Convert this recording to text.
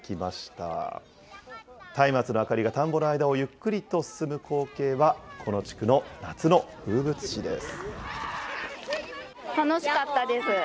たいまつの明かりが田んぼの間をゆっくりと進む光景は、この地区の夏の風物詩です。